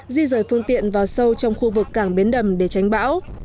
di dời phương tiện vào sâu trong khu vực cảng biến đầm để tránh bão